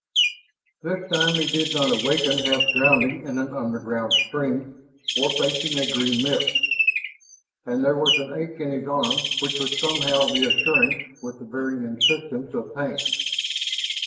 This time he did not awaken half drowning in an underground stream or facing a green mist. And there was an ache in his arm which was somehow reassuring with the very insistence of pain.